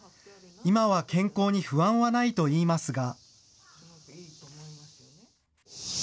今は健康に不安はないといいますが。